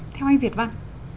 theo anh việt văn